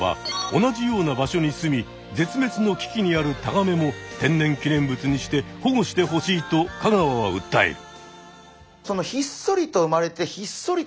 同じような場所にすみ絶めつの危機にあるタガメも天然記念物にして保護してほしいと香川はうったえる。